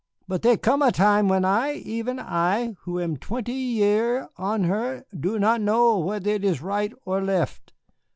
But there come a time when I, even I, who am twenty year on her, do not know whether it is right or left.